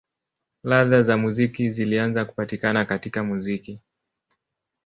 Ladha za muziki zilianza kupatikana katika muziki.